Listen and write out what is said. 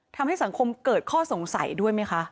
ทำให้สังคมเกิดข้อสงสัยด้วยไหมคะ